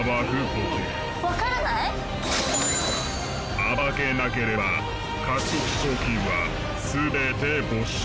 暴けなければ獲得賞金は全て没収。